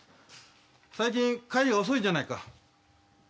最近帰りが遅いじゃないか。